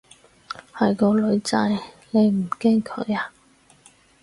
係個女仔，你唔驚佢啊？